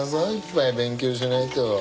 いっぱい勉強しないと。